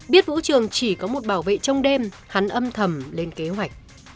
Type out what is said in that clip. biết vũ trường chỉ có một bảo vệ trong đêm hắn âm thầm lên kế hoạch